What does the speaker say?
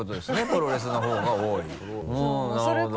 プロレスのほうが多いなるほど。